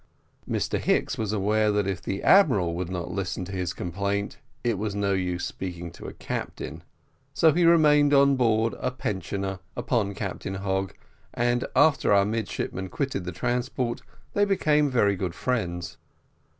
Mr Hicks was aware that if the admiral would not listen to his complaint, it was no use speaking to a captain: so he remained on board a pensioner upon Captain Hogg, and after our midshipmen quitted the transport they became very good friends.